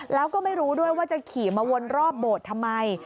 แล้วก็ไม่รู้ด้วยว่าจะขี่มาวนรอบโบสถ์ทำไม